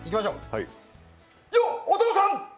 よ、お父さん！